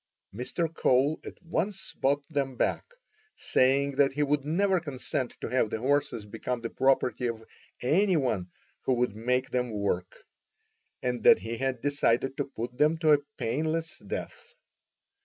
Mr. Cole at once bought them back, saying that he would never consent to have the horses become the property of any one who would make them work, and that he had decided to put them to a painless death.